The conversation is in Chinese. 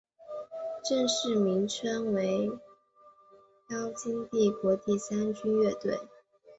正式名称为妖精帝国第三军乐队。